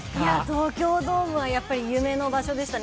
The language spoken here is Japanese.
東京ドームはやっぱり夢の場所でしたね。